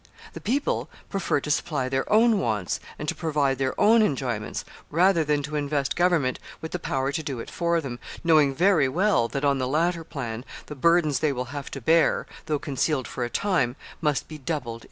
The people prefer to supply their own wants and to provide their own enjoyments, rather than to invest government with the power to do it for them, knowing very well that, on the latter plan, the burdens they will have to bear, though concealed for a time, must be doubled in the end.